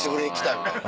みたいな。